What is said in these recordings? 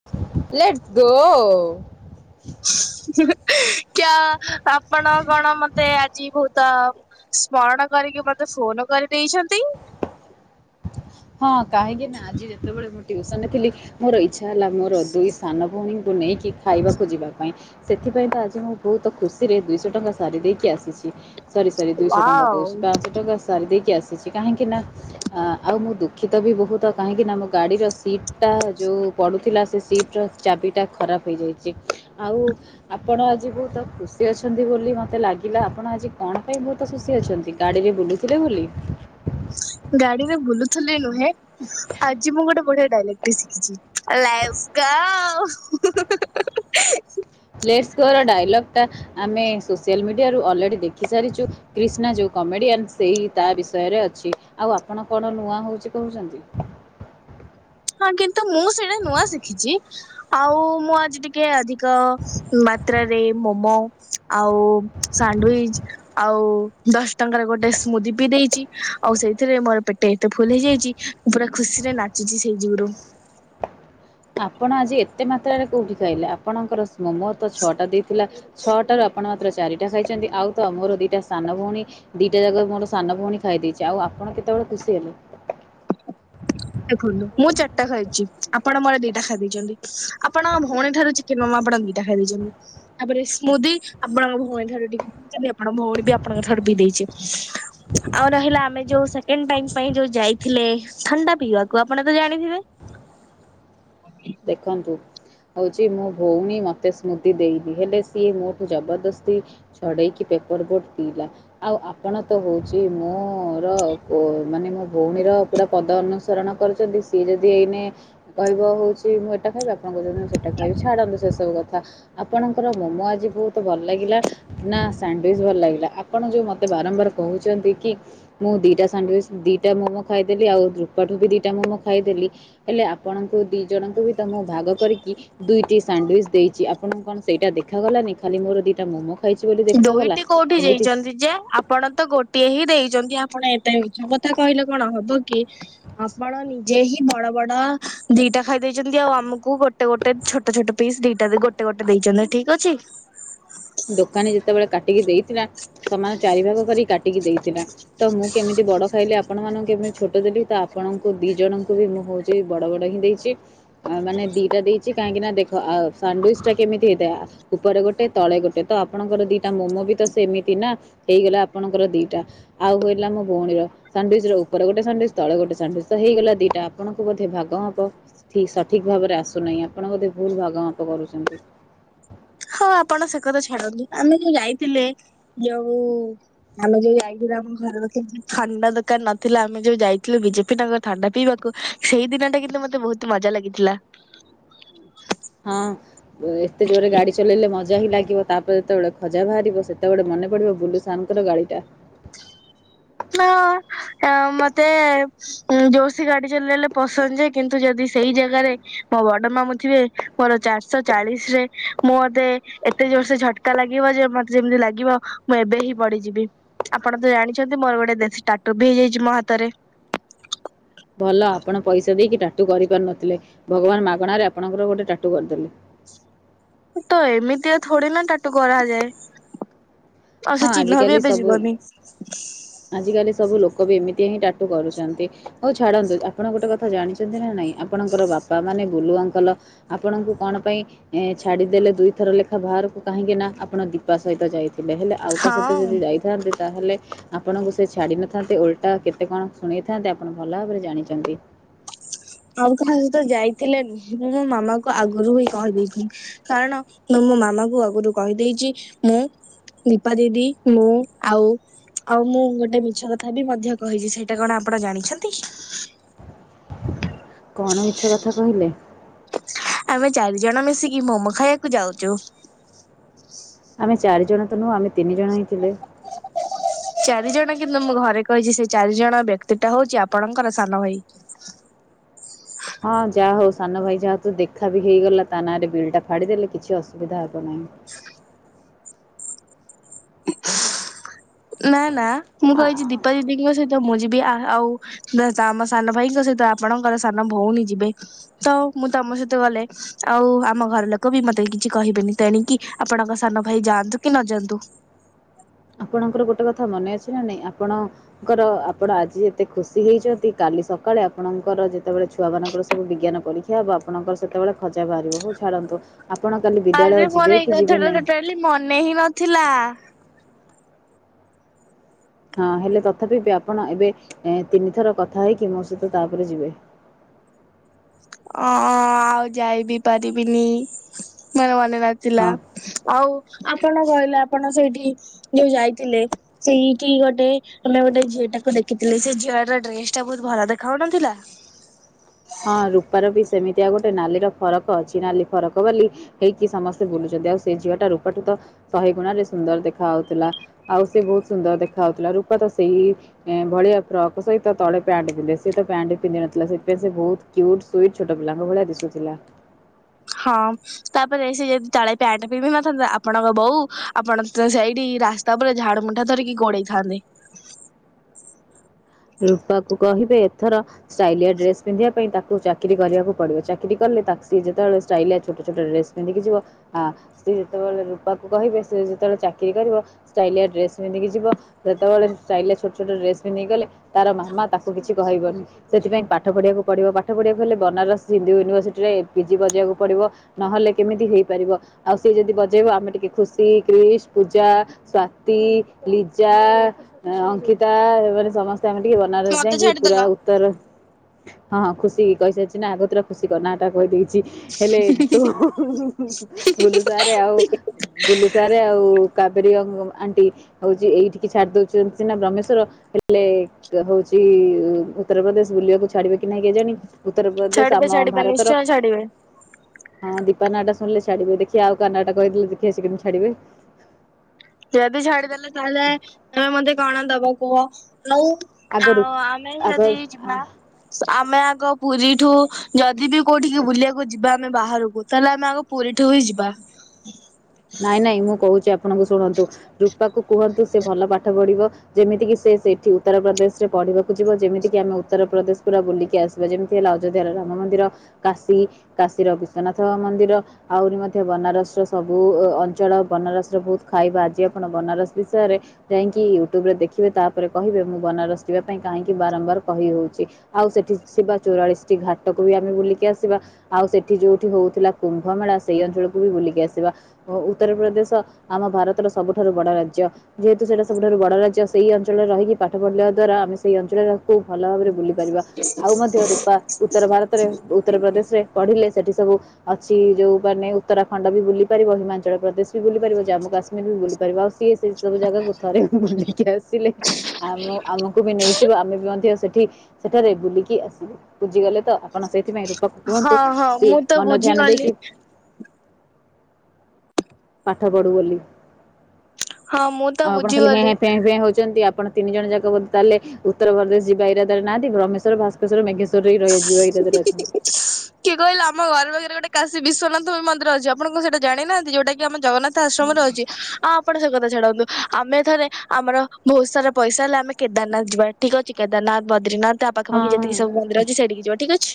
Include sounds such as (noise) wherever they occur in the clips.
(inaudible) Let's go. କ୍ୟା ଆପଣ କଣ ମତେ ଆଜି ବହୁତ ତ ସ୍ମରଣ କରିକି ମତେ ଫୋନ କରିଦେଇଛନ୍ତି। ହଁ କାହିଁକି ନା ଆଜି ଯେତେବେଳେ ମୁଁ ଟିଉସନରେ ଥିଲି ମୋର ଇଚ୍ଛା ହେଲା ମୋର ଦୁଇ ସାନ ଭଉଣୀଙ୍କୁ ନେଇକି ଖାଇବାକୁ ଯିବା ପାଇଁ ସେଥିପାଇଁ ତ ଆଜି ମୁଁ ବହୁତ ଖୁସିରେ ଦୁଇଶହ ଟଙ୍କା ସାରି ଦେଇକି ଆସିଚି। ଚି ସରି ସରି ଦୁଇଶହ ଟଙ୍କା ୱାଓ କହୁଛି ପାଂଶହ ଟଙ୍କା ସାରି ଦେଇକି ଆସିଛି କାହିଁକି ନା ପା ଆଉ ମୁଁ ଦୁଃଖିତ ବି ବହୁତ କାହିଁକିନା ମୋ ଗାଡ଼ିର ସିଟ୍ ଟା ଯୋଉ ପଡ଼ିଥିଲା ସେ ସିଟ୍ ର ଚାବିଟା ଖରାପ ହେଇଯାଇଚି ଆଉ ଆପଣ ଆଜି ବହୁତ ଖୁସି ଅଛନ୍ତି ବୋଲି ମତେ ଲାଗିଲା ଆପଣ ଆଜି କଣ ପାଇଁ ବହୁତ ଖୁସି ଅଛନ୍ତି। ଗାଡ଼ିରେ ବୁଲୁଥିଲେ ବୋଲି। ଗାଡିରେ ବୁଲୁଥିଲି ନୁହେଁ (inaudible) ଆଜି ମୁଁ ଗୋଟେ ବଢିଆ ଡାଇଲେକ୍ଟ ଶିଖିଛି ଏ ଲାଇଫ୍ ଗୋ (inaudible) ୟେସ ତୋର ଡାଇଲଗ୍ ଟା ଆମେ ସୋସିଆଲ ମିଡିଆରୁ ଅଲରେଡ଼ି ଦେଖି ସାରିଚୁ କ୍ରିଷ୍ଣା ଯୋଉ କମେଡିଆନ୍ ସେଇ ତା ବିଷୟରେ ଅଛି। ଆଉ ଆପଣ କଣ ନୂଆ ହଉଚି କହୁଚନ୍ତି। ହଁ କିନ୍ତୁ ମୁଁ ସେଇଟା ନୂଆ ଶିଖିଚି ଆଉ ମୁଁ ଆଜି ଟିକେ ଆଜି କ ମାତ୍ରାରେ ମୋମୋ ଆଉ ସାଣ୍ଡୱିଚ ଆଉ ଦଶ ଟଙ୍କାରେ ଗୋଟେ ସ୍ମୁଦି ପି ଦେଇଛି ଆଉ ସେଇଥିରେ ମୋର ପେ ଟ ତ ଫୁଲ ହେଇଯାଇଚି ମୁଁ ପୁରା ଖୁସିରେ ନାଚୁଛି ସେଇ ଯୁଗୁରୁ। ଆପଣ ଆଜି ଏତେ ମାତ୍ରାରେ କୋଉଠି ଖାଇଲେ ଆପଣଙ୍କର ସ ମୋମୋ ତ ଛଅଟା ଦେଇଥିଲା ଛଅଟାରୁ ଆପଣ ମାତ୍ର ଚାରିଟା ଖାଇଛନ୍ତି ଆଉ ତ ମୋର ଦି ଟା ସାନ ଭଉଣୀ ଦିଟା ଜାକ ମୋର ସାନ ଭଉଣୀ ଖାଇ ଦେଇଚି ଆଉ ଆପଣ କେତେବେଳେ ଖୁସି ହେଲେ। ଦେଖନ୍ତୁ ମୁଁ ଚାରିଟା ଖାଇଛି ଆପଣ ମୋର ଦିଟା ଖାଇଦେଇଛନ୍ତି ଆପଣ ଭଉଣୀ ଠାରୁ ଚି କି ମୋ ମା ଫଟା ଦିଟା ଖାଇ ଦେଇଚନ୍ତି। ତାପରେ ସ୍ମୁଦି ଆପଣଙ୍କ ଭଉଣୀ ଥରେ ଟିକେ (inaudible) ଆପଣଙ୍କ ଭଉଣୀ ବି ଆପଣଙ୍କ ଠାରୁ ପି ଦେଇଚି। ଆଉ ରହିଲା ଆମେ ଯୋଉ ସେକେଣ୍ଡ ଟାଇମ୍ ପାଇଁ ଯୋଉ ଯାଇଥିଲେ ଥଣ୍ଡା ପିଇବାକୁ ଆପଣ ତ ଜାଣିଥିବେ। ଦେଖନ୍ତୁ। ହଉଚି ମୋ ଭଉଣୀ ମୋତେ ସ୍ମୃତି ଦେଇନି ହେଲେ ସିଏ ମୋଠୁ ଜବରଦସ୍ତି ଛଡେଇକି ପେପର ବୋଟ ପିଇଲା। ଆଉ ଆପଣ ତ ହଉଚି ମୋର କ ମାନେ ମୋ ଭଉଣୀର ପୁରା ପଦ ଅନୁସରଣ କରୁଚନ୍ତି ସିଏ ଯଦି ଏଇନେ କହିବ ହଉ ଚି ମୁଁ ଏଟା ଖାଇବି ଆପଣ କହିବେ ମୁଁ ସେଟା ଖାଇବି ଛାନ୍ତୁ ସେସବୁ କଥା। ଆପଣଙ୍କର ମୋମୋ ଆଜି ବହୁତ ଭଲ ଲାଗିଲା। ନା ସାଣ୍ଡୱିଚ୍ ଭଲ ଲାଗିଲା ଆପଣ ଯୋଉ ମତେ ବାରମ୍ବାର କହୁଚନ୍ତି କି? ମୁଁ ଦିଇଟା ସାଣ୍ଡୱିଚ ଦିଇଟା ମୋମୋ ଖାଇଦେଲି ଆଉ ର୍ରୋପାଠୁ ବି ଦିଟା ମୋମୋ ଖାଇଦେଲି ହେଲେ ଆପଣଙ୍କୁ ଦି ଜଣଙ୍କୁ ବି ତ ମୁଁ ଭାଗ କରିକି ଦୁଇଟି ସାଣ୍ଡୱିଚ ଦେଇଛି ଆପଣଙ୍କୁ କଣ ସେଇଟା ଦେଖାଗଲଲାନି ଖାଲି ମୋର ଦିଟା ମୋମୋ ଖାଇଛି ବୋଲି ଦେଖାଗଲା ଦୁଇଟି କୋଉଠି ଏମିତି ଦେଇଚନ୍ତି ଯେ ଆ ପଣ ତ ଗୋଟିଏ ହିଁ ଦେଇ ଚନ୍ତି ଆପଣ ଏତେ ମିଛ କଥା କହିଲେ କଣ ହବ କି? ଆପଣ ନିଜେ ହିଁ ବଡ ବଡ ଦିଟା ଖାଇ ଦେଇଚନ୍ତି ଆଉ ଆମକୁ ଗୋ ଟେ ଗୋଟେ ଛୋଟ ଛୋଟ ପିସ୍ ଦିଟା ଗୋଟେ ଗୋଟେ ଦେଇଚନ୍ତି ଠିକ ଅଛି। ଦୋକାନୀ ଯେତେବେଳେ କାଟିକି ଦେଇଥିଲା ସମାନ ଚାରି ଭାଗ କରିକି କାଟିକି ଦେଇଥିଲା। ତ ମୁଁ କେମିତି ବଡ ଖାଇଲି ଆପଣ ମାନଙ୍କୁ କେମିତି ଛୋଟ ଦେଲିି ତ ଆପଣଙ୍କୁ ଦି ଜଣଙ୍କୁ ବି ମୁଁ ହଉ ଚି ବଡ ବଡ ହିଁ ଦେଇଚି। ଆ ମାନେ ଦିଟା ଦେଇଚି କାହିଁକି ନା ଦେଖ ଆଉ ସାଣ୍ଡୱିଚ ଟା କେମିତି ହେଇଥାଏ ଆ ଉପରେ ଗୋଟେ ତଳେ ଗୋ ସେତ ତ ଆପଣଙ୍କର ଦିଟା ମୋମୋ ବି ତ ସେମିତି ନା ହେଇଗଲା ଆପଣଙ୍କର ଦିଟା। ଆଉ କହିଲା ମୋ ଭଉଣୀର ସାଣ୍ଡିଚ ର ଉପରେ ଗୋଟେ ସାଣ୍ଡିଚ ତଳେ ଗୋଟେ ସାଣ୍ଡିଚ ହେଇଗଲା ଦିଟା ଆପଣଙ୍କୁ ମଧ୍ୟ ଭାଗ ହବ। ଠିକ ସଠିକ୍ ଭାବରେ ଆସୁନାହିଁ ଆପଣ ବୋଧେ ଭୁଲ ଭାଗ ମାପ କରୁଛନ୍ତି। ହଁ ଆପଣ ସେ କଥା ଛାଡନ୍ତୁ ଆମେ ଯୋଉ ଯାଇଥିଲେ ଯୋଉ ଆମେ ଯୋଉ ଯାଇଥିଲୁ ଆମ ଘରର କେମତି ଖଥଣ୍ଡା ଦରକାର ନଥିଲା ଆମେ ଯୋଉ ଯାଇଥିଲୁ ବିଜେପି ନଗର ଥଣ୍ଡା ପିଇବାକୁ ସେଇ ଦିନ ଟା କିନ୍ତୁ ମତେ ବହୁତ ମଜା ଲାଗିଥିଲା। ହଁ। ଏତେ ଜୋରରେ ଗାଡି ଚଲେଇଲେ ମଜା ହିଁ ଲାଗିବ ତାପରେ ଯେତେବେଳେ ଖଜା ବାହାରିବ ସେତେବେଳେ ମନେ ପଡିବ ବୁଲସ ଶାନଙ୍କର ଗାଳି ଟା ହଁ ମତେ ଉଁ ଜୋରସି ଗାଡି ଚଲେଇଲେ ପସନ୍ଦ ଯେ କିନ୍ତୁ ଯଦି ସେଇ ଜାଗାରେ ମୋ ବଡ ମାମୁ ଥିବେ ମୋର ଚାରିଶହ ଚାଳିଶ ରେ ମୁଁ ମତେ ଏତେ ଜୋର ସେ ଝଟକା ଲାଗିବ ଯେ ମତେ ଯେମିତି ଲାଗିବ ମୁଁ ଏବେ ହିଁ ବଢିଯିବି ଆପଣ ତ ଜାଣିଛନ୍ତି ମୋର ଗୋଟେ ଦେଶୀ ଟାଟୁ ବି ହେଇଯାଇଛି ମୋ ହାତରେ। ଭଲ ଆପଣ ପଇସା ଦେଇକି ଟାଟୁ କରିପାରୁ ନଥିଲେ ଭଗବାନ ମାଗଣାରେ ଆପଣଙ୍କର ଗୋଟେ ଟାଟୁ କରିଦେଲେ। ତ ଏମିତିଆ ଥରେ ନା ଟାଟୁ କରାଯାଏ। ଆଉ ହଁ ଚିହ୍ନ ବି ଆଜିକାଲି ଏବେ ସବୁ ଯିବିନ। ଆଜିକାଲି ସବୁ ଲୋକ ବି ଏମିତି ହିଁ ଟାଟୁ କରୁଛନ୍ତି। ହଉ ଛାଡନ୍ତୁ ଆପଣ ଗୋଟେ କଥା ଜାଣିଛନ୍ତି ନା ନାଇଁ। ଆପଣଙ୍କର ବାପା ମାନେ ବୁଲୁ ଅଙ୍କଲ ଆପଣଙ୍କୁ କଣ ପାଇଁ ଏ ଛାଡିଦେଲେ ଦୁଇଥର ଲେଖା ବାହାରକୁ କାହିଁକି ନା ଆପଣ ଦୀପା ସହିତ ଯାଇଥିଲେ ହେଲା। ଆଉ କା ସହିତ ହଁ। ଯଦି ଯାଇଥାନ୍ତି ତାହେଲେ ଆପଣଙ୍କୁ ସେ ଛାଡି ନଥାନ୍ତେ ଓଲ୍ଟା କେତେ କଣ ଶୁଣେଇଥାନ୍ତେ ଆପଣ ଭଲ ଭାବରେ ଜାଣିଛନ୍ତି। ଆଉ କାହା ସହିତ ଯାଇଥିଲେନି ମୁଁ ମୋ ମାମା କୁ ଆଗରୁ ହିଁ କହିଦେଇଛି। କାରଣ ମୁଁ ମୋ ମାମା କ ଆଗରୁ କହିଦେଇଛି। ମୁଁ ଦୀପା ଦିଦି, ମୁଁ ଆଉ ଆଉ ମୁଁ ଗୋଟେ ମିଛ କଥା ବି ମଧ୍ୟ କହିଛି ସେଇଟା କଣ ଆପଣ ଜାଣିଛନ୍ତି? କଣ ମିଛ କଥା କହିଲେ? ଆମେ ଚାରି ଜଣ ମିଶିକି ମୋମୋ ଖାଇବାକୁ ଯାଉଛୁ। ଆମେ ଚାରି ଜଣ ତ ନୁଁହ ଆମେ ତିନି ଜଣ ହିଁ ଥିଲୁ। ଚାରି ଜଣ କିନ୍ତୁ ମୁଁ ଘରେ କହିଛି, ସେ ଚାରି ଜଣ ବ୍ୟକ୍ତି ଟା ହଉଛି ଆପଣଙ୍କର ସାନ ଭାଇ। ହଁ, ଯାହା ହଉ ସାନ ଭାଇ ଯାହା ତୁ ଦେଖା ବି ହେଇଗଲା ତା ନାଁରେ ବିଲ ଟା ଫାଡ଼ିଦେଲେ କିଛି ଅସୁବିଧା ହବ ନାହିଁ। ନା ନା, ମୁଁ କହିଛି ଦୀପା ଦିଦିଙ୍କ ସହିତ ମୁଁ ଯିବି ଆଉ। ଆମ ସାନ ଭାଇଙ୍କ ସହିତ ଆପଣଙ୍କର ସାନ ଭଉଣୀ ଯିବେ ତ ମୁଁ ତମ ସହିତ ଗଲେ ଆଉ ଆମ ଘର ଲୋକ ବି ମତେ କିଛି କହିବେନି ତେଣିକି ଆପଣଙ୍କ ସାନ ଭାଇ ଯାଆନ୍ତୁ କି ନଯାଆନ୍ତୁ। ଆପଣଙ୍କର ଗୋଟେ କଥା ମନେ ଅଛି ନା ନାହିଁ ଆପଣ ଙ୍କର ଆପଣ ଆଜି ଏତେ ଖୁସି ହେଇଛନ୍ତି। କାଲି ସକାଳେ ଆପଣଙ୍କର ଯେତେବେଳେ ଛୁଆ ମାନଙ୍କର ସବୁ ବିଜ୍ଞାନ ପା ଦେଖା ହବ ଆପଣଙ୍କର ସେତେବେଳେ ଖଜା ବାହାରିବ। ହଉ ଛାଡ଼ନ୍ତୁ ଆପଣ କାଲି ବିଦ୍ୟାଳୟ ଯିବେ କି ଯିବେ ନାହିଁ? ବୋଲି ମନେ ହିଁ ନଥିଲା। ହଁ, ହେଲେ ତଥାପି ବି ଆପଣ ଏବେ ତିନି ଥର କଥା ହେଇକି ମୋ ସହିତ ତାପରେ ଯିବେ। ହ ଆଉ ଯାଇ ବିି ପାରିବିନି। ମୋର ମନେ ନଥିଲା। ହଁ ଆଉ ଆପଣ କହିଲେ, ଆପଣ ସେଇଠି ଯୋଉ ଯାଇଥିଲେ ସେଇଠି ଗୋଟେ ଆମେ ଗୋଟେ ଝିଅ ଟାକୁ ଦେଖିଥିଲି ସେ ଝିଅ ର ଡ୍ରେସ ଟା ବହୁତ ଭଲ ଦେଖାଉନଥିଲା। ହଁ ରୂପାର ବି ସେମିତିଆଉ ଗୋଟେ ନାଲିର ଫରକ ଅଛି ନାଲି ଫରକ ବୋଲି ହେଇକି ସମସ୍ତେ ବୁଲୁଛନ୍ତି। ଆଉ ସେ ଝିଅ ଟା ରୂପାଠୁ ତ ଶହେ ଗୁଣରେ ସୁନ୍ଦର ଦେଖା ହଉଥିଲା। ଆଉ ସେ ବହୁତ ସୁନ୍ଦର ଦେଖା ହଉଥିଲା। ରୂପା ତ ସେଇ ଭଳିଆ ଫ୍ରକ୍ ସହିତ ତଳେ ପ୍ୟାଣ୍ଟ ପିନ୍ଧେ ସେ ତ ପ୍ୟାଣ୍ଟ ପିନ୍ଧ ନଥିଲା ସେ- ବହୁତ କ୍ୟୁଟ ସ୍ବିଟ ଛୋଟ ପିଲାଙ୍କ ଭଳିଆ ଦିସୁଥିଲା। ହଁ। ତାପରେ ସେ ଯଦି ତାଳେ ପ୍ୟାଣ୍ଟ ପିନ୍ଧିିନଥାନ୍ତା, ଆପଣଙ୍କ ବୋଉ ଆପଣ ସେଇଠି ରାସ୍ତା ତାପରେ ଝାଡ ମୁଠା ଧରିକି ଗୋଡେଇଥାନ୍ତେ। ରୂପା କୁ କହିବେ ଏଥର ଷ୍ଟାଇଲିଆ ଡ୍ରେସ୍ ପିନ୍ଧିବା ପାଇଁ ତାକୁ ଚାକିରି କରିବାକୁଡିବ। ଚାକିରୀ କଲେ ତାକୁ ସିଏ ଯେତେବେଳେ ଷ୍ଟାଇଲିଆ ଛୋଟ ଛୋଟ ଡ୍ରେସ ପିନ୍ଧିକି ଯିବ। ଆ ସେ ଯେତେବେଳେ ରୂପାକୁ କହିବେ ସେ ଯେତେବେଳେ ଚାକିରି କରିବ ଷ୍ଟାଇଲିଆ ଡ୍ରେସ ବି ପିନ୍ଧିକି ଯିବ। ଯେତେବେଳେ ଷ୍ଟାଇଲିଆ ଛୋଟ ଛୋଟ ଡ୍ରେସ ବି ପିନ୍ଧିକି ଗଲେ ତାର ମାମା ତାକୁ କିଛି କହିବନି। ସେଥିପାଇଁ ପାଠ ପଢ଼ିବାକୁ ପଢିବ। ପାଠ ପଢ଼ିବାକୁ ହେଲେ ବନାରସ ହିନ୍ଦୁ ୟୁନିଭର୍ସିଟିରେ ପି ଜି ବଜେଇବାକୁ ପଡ଼ିବ। ନହେଲେ କେମିତି ହେଇପାରିବ। ଆଉ ସିଏ ଯଦି ବଜେଇବ ଆମେ ଟିକେ ଖୁସି, କ୍ରିଶ୍, ପୂଜା ସ୍ଵାତୀ, ଲିଜା, ଅଙ୍କିତା ଏମାନେ ସମସ୍ତ ତ ଆମେ ଟିକେ ବନାରସ ମତେ ଯାଇକି ପୁରା ଛାଡିଦେଲ। ତର ହଁ ଖୁସି କହିସାରିଚି ନା। ଆଗତୁରା ଖୁସି କର ନାଁ ଟା କହିଦେଇ ଚି ହେଲେ ତୁ ବୁଲୁ ସାରେ ଆଉ ବୁଲୁ ସାରେ ଆଉ କାବେରୀ ଅ-ଆଣ୍ଟି ହଉଚି ଏଇଠିକି ଛାଡି ଦଉଚନ୍ତି ସିନା ବ୍ରହ୍ମେମେଶ୍ଵର ହେଲେ କ୍ ହଉଚି ଉତ୍ତରପ୍ରଦେଶ ବୁଲିବାକୁ ଛାଡିବେ କି ନାହିଁ କେ କେଜାଣି। ଉତ୍ତରପ୍ରଦେଶ ଛାଡିବେ ଆମ ଛାଡିବେ ଭାରତର ନିଶ୍ଚୟ ଛାଡିବେ ହଁ ଦୀପା ନାଁ ଟା ଶୁଣିଲେ ଛାଡିବେ। ଦେଖିବା ଆଉ କାହା ନାଁ ଟା କହିଥିଲେ ଦେଖିଆ ସେ କେମିତି ଛାଡିବେ? ଯଦି ଛାଡିଦେଲେ ତାହେଲେ ତମେ ମତେ କଣ ଦବ କୁହ। ନଉ ଆଗରୁ ଆଉ ଆମେ ଆଗ ଯଦି ଯିବା ଆମେ ଆଗ ପୁରୀଠୁ ଯଦି ବି କୋଉଠିକି ବୁଲିବାକୁ ଯିବା ଆମେ ବାହାରକୁ। ତାହେଲେ ଆମେ ଆଗ ପୁରୀ ଠୁ ହି ଯିବା। ନାଇଁ ନାଇଁ ମୁଁ କହୁଚି ଆପଣଙ୍କୁ ଶୁଣନ୍ତୁ। ରୂପାକୁ କୁହନ୍ତୁ ସେ ଭଲ ପାଠ ପଢ଼ିବ। ଯେମିତିକି ସେ ସେଇଠି ଉତ୍ତର ପ୍ର୍ରଦେଶରେ ପଢିବାକୁ ଯିବ। ଯେମିତି କି ଆମେ ଉତ୍ତର ପ୍ରଦେଶ ପୁରା ବୁଲିକି ଆସି ବା ଯେମିତି ହେଲା ଅଯୋଧ୍ୟାର ରାମ ମନ୍ଦିର କାଶୀ କାଶୀର ବିଶ୍ଵନାଥ ମନ୍ଦିର ଆହୁରି ମଧ୍ୟ ବନାରସର ସବ ବୁ ଅ ଅଞ୍ଚଳ ବନାରସର ବହୁତ ଖାଇବା। ଆଜି ଆପଣ ବନାରସ ବିଷୟରେ ଯାଇଁକି ୟୁଟ୍ୟୁବ ରେ ଦେଖିବେ ତା ପରେ କହିବେ ମୁଁ ବନାରସିଯିବା ପାଇଁ କାହିଁକି ବାରମ୍ବାର କହିହଉଚି? ଆଉ ସେଠି ଥିବା ଚଉରାଳିଶ ଟି ଘାଟକୁ ବି ଆମେ ବୁଲିକି ଆସିବା। ଆଉ ସେଠି ଯୋଉଠି ହଉଥିଲା କୁମ୍ଭମେଳା ସେଇ ଅଞ୍ଚଳକୁ ବି ବୁଲିକି ଆସିବା। ଓ ଉତ୍ତରପ୍ରଦେଶ ଆମ ଭାରତର ସବୁଠାରୁ ବଡ଼ ରାଜ୍ୟ। ଯେହେତୁ ସେଟା ସବୁଠାରୁ ବଡ ରାଜ୍ୟ ସେଇ ଅଞ୍ଚଳରେ ରହିକି ପାଠ ପଢିବା ଦ୍ଵାରା। ଆମେ ସେଇ ଅଞ୍ଚଳର କୁ ଭଲ ଭାବରେ ବୁଲି ପାରିବା। ଆଉ ମଧ୍ୟ ରୂପା ଉତ୍ତର ଭାରତରେ ଉତ୍ତର ପ୍ର୍ରଦେଶରେ ପଢିଲେ ସେଠି ସବୁ ଅଛି ଯୋଉ ମାନେ ଉତ୍ତରାଖଣ୍ଡ ବି ବୁଲି ପାରିବ। ହିମାଚଳ ପ୍ରଦେଶ ବୁଲି ପାରିବ ଜାମ୍ମୁ କାଶ୍ମୀର ବି ବୁଲି ପାରିବ। ଆଉ ସିଏ ଶ୍ ସେଇ ସବୁ ଜାଗାକୁ ଥରେ ବୁଲିକି ଆସିଲେ ଆମ ଆମକୁ ବି ନେଇଯିବ ଆମେ ବି ମଧ୍ୟ ସେଠି ସେଠାରେ ବୁଲିକି ଆସିବୁ। ବୁଝିଗଲେ ତ? ଆପଣ ସେଥିପାଇଁ ରୂପାକୁ ହଁ କୁହନ୍ତୁ ହଁ ସିଏ ମୁଁ ତ ମନ ଧ୍ୟାନ ବୁଝିଗଲି ଦେଇକି ପାଠ ପଢୁ ବୋଲି। ହଁ ମୁଁ ତ ଆଉ ଆପଣ ଖାଲି ହେଁ ବୁଝିଗଲି। ହେଁ ଫେଁ ଫେଁ ହଉଛନ୍ତି। ଆପଣ ତିନି ଜଣ ଯାକ ବୋଧେ ତାହେଲେ ଉତ୍ତରପ୍ରଦେଶ ଯିବା ଇରାଦାରେ ନାହାଁନ୍ତି। ବ୍ରହ୍ମେମେଶ୍ୱର ଭାସ୍ ଶ୍ୱର ମଘେଶ୍ୱରରେ ହି ରହିଯିବା ଇରାଦରେ ଅଛନ୍ତି। କିଏ କହିଲା ଆମ ଘର ପାଖରେ ଗୋଟେ କାଶୀ ବିଶ୍ୱନାଥ ବି ମନ୍ଦର ଅଛି। ଆପଣ କଣ ସେଇଟା ଜାଣିନାହାଁନ୍ତି ଯୋଉଟା କି ବି ଆମ ଜଗନ୍ନାଥ ଆଶ୍ରମରେ ରହିଚି। ଆପ୍ ଆପଣ ସେ କଥା ଛାଡନ୍ତୁ ଆମେ ଏଥରେ ଆମର ବହୁତ ସାରା ପଇସା ହେଲେ ଆମେ କେଦାରନାଥ ଯିବା। ଠିକ ଅଛି କେଦାରନାଥ ବଦ୍ରୀନାଥ ତା ପାଖାପାଖି ଯେତିକି ସବୁ ମନ୍ଦିର ହଁ ଅଛି ସେଇଠି ଯିବା ଠିକ୍ ଅଛି।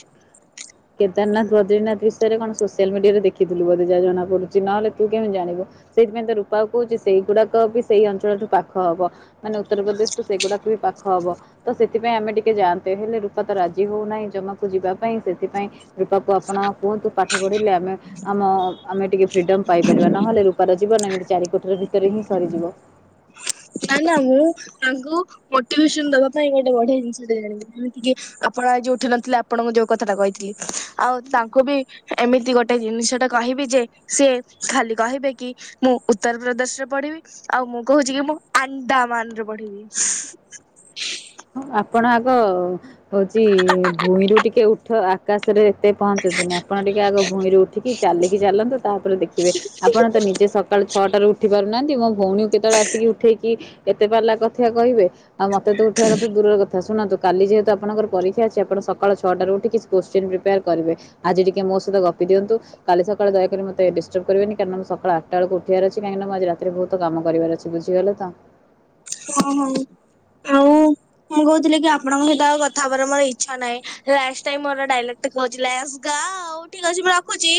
କେଦାରନାଥ ବଦ୍ରିନାଥ ବିଷୟରେ କଣ ସୋସିଆଲ ମିଡିଆରେ ଦେଖିଥିଲୁ ବୋଧେ ଯା ଜଣାପଡୁଛି। ନହେଲେ ତୁ କେମିତି ଜାଣିବୁ? ସେଇଥିପାଇଁ ତ ରୂପା କହୁଛି ସେଇଗୁଡାକ ବି ସେଇ ଅଞ୍ଚଳଠୁ ପାଖ ହବ। ମାନେ ଉତ୍ତରପ୍ରଦେଶ ଠୁ ସେଗୁଡାକ ବି ପାଖ ହବ। ତ ସେଥିପାଇଁ ଆମେ ଟିକେ ଯାଆନ୍ତେ। ହେଲେ ରୂପା ତ ରାଜି ହଉ ନାହିଁ ଜମାକୁ ଯିବା ପାଇଁ। ସେଥିପାଇଁ ରୁପା କୁ ଆପଣ କୁହନ୍ତୁ ପାଠ ପଢିଲେ ଆମେ ଆମ ଆମେ ଟିକେ ଫ୍ରିଡମ ପାଇପାରିବା। ନହେଲେ ରୂପାର ଜୀବନ ଏମିତି ଚାରି କୋଠରୀ ଭିତରେ ହିଁ ସରିଯିବ। ନାାଇ ନା ମୁଁ ତାଙ୍କୁ ମୋଟିଭେସନ ଦବା ପାଇଁ ଗୋଟେ ବଢିଆ ଜିନିଷ ଟ ଜାଣିବି ଯେମିତି କିି ଆପଣ ଆ ଯଉ ଉଠି ନଥିଲେ ଆପଣଙ୍କୁ ଯୋଉ କଥାଟା କହିଥିଲି। ଆଉ ତାଙ୍କୁ ବି ଏମିତି ଗୋଟେ ଜିନିଷ ଟା କହିବି ଯେ ସିଏ ଖାଲି କହିବେ କି! ମୁଁ ଉତ୍ତର ପ୍ର୍ରଦେଶ ରେ ପଢିବି ଆଉ ମୁଁ କହୁଛି କି ମୁଁ ଆଣ୍ଡାମାନ ରେ ପଢିବି। ହ ଆପଣ ଆଗ ହଉଛି ଭୂଇଁରୁ ଟିକେ ଉଠ ଆକାଶରେ ଏତେ ପହଞ୍ଚନ୍ତୁନି ଆପଣ ଟିକିେ ଆଗ ଭୁଇଁରୁ ଉଠିକି ଚାଲିକି ଚାଲନ୍ତୁ ତାପରେ ଦେଖିବେ। ଆପଣ ତ ନିଜେ ସକାଳୁ ଛଅଟାରୁ ଉଠି ପାରୁନାହାନ୍ତି ମୋ ଭଉଣୀ କେତେବେଳେ ଆସିକି ଉଠେଇକି ଏତେ ପା କଥାଆ କହିବେ ଆଉ ମତେ ତୁ ଉଠିଆ କଥାୁନ୍ତୁ କାଲି ଯେହେତୁ ଆଣର ପରୀକ୍ଷାଛି ଆଣ ସଳ ଛଅଟାରୁ ଉଠିକିଛି କୋଶ୍ଚିନ୍ ପ୍ରିେୟାର କରିବେ। ଆଜି ଟିକେ ମୋ ସହିତ ଗପି ଦିଅନ୍ତୁ। କାଲି ସକାଳେ ଦୟକରି ମତେ ଡିଷ୍ଟର୍ବ କରିବନି କାରଣ ମୁଁ ସକା ଆଟା ବେଳ ଉଠିବାରଛି କାହିକି ମୁଁ ଆଜି ରାତିରେ ବହୁ କାମ କରିବାର ଅଛି। ବୁଝିଗଲେ ତ ଓହୋ ଆଉ ହ ମୁଁ କହୁଥିଲି କି ଆପଣଙ୍କ ସହିତ ଆଉ କଥା ହବାର ମୋର ଇଚ୍ଛା ନାହିଁ। ଲାଷ୍ଟ ଟାଇମ ମୋର ଦାଇଲୋକ୍ କାଉ ଠିକ ଅଛି ମୁଁ ରଖୁଛି।